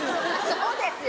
そうですよ